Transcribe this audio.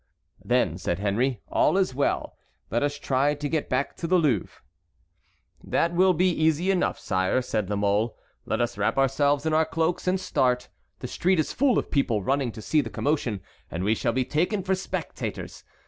"Then," said Henry, "all is well. Let us try to get back to the Louvre." "That will be easy enough, sire," said La Mole. "Let us wrap ourselves in our cloaks and start. The street is full of people running to see the commotion, and we shall be taken for spectators."